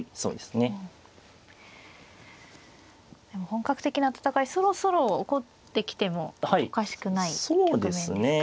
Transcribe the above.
本格的な戦いそろそろ起こってきてもおかしくない局面ですか。